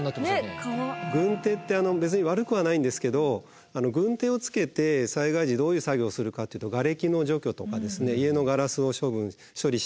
軍手って別に悪くはないんですけど軍手をつけて災害時どういう作業をするかっていうとがれきの除去とかですね家のガラスを処分処理したりとか。